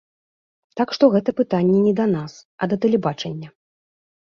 Так што гэта пытанне не да нас, а да тэлебачання.